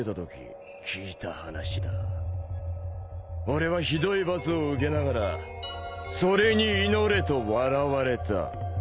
俺はひどい罰を受けながらそれに祈れと笑われた。